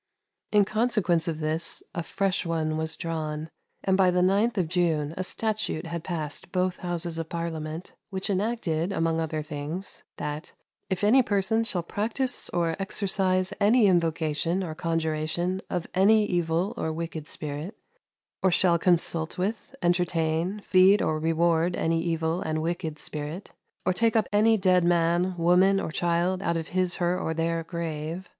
In consequence of this a fresh one was drawn, and by the 9th of June a statute had passed both Houses of Parliament, which enacted, among other things, that "if any person shall practise or exercise any invocation or conjuration of any evil or wicked spirit, or shall consult with, entertain, feed, or reward any evil and wicked spirit, or take up any dead man, woman, or child out of his, her, or their grave